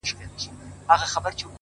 شراب لس خُمه راکړه، غم په سېلاب راکه،